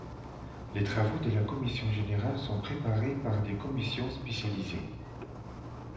Les travaux de la commission générale sont préparées par des commissions spécialisées.